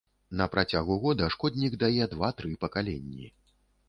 На працягу года шкоднік дае два-тры пакаленні.